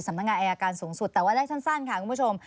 นักงานอายการสูงสุดแต่ว่าได้สั้นค่ะคุณผู้ชม